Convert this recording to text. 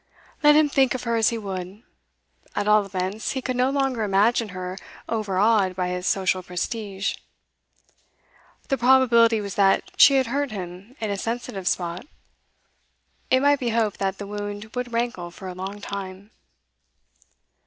Let him think of her as he would; at all events he could no longer imagine her overawed by his social prestige. The probability was that she had hurt him in a sensitive spot; it might be hoped that the wound would rankle for a long time.